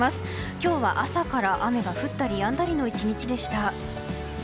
今日は朝から雨が降ったりやんだりの１日でした。